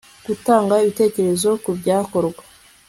gutanga ibitekerezo ku byakorwa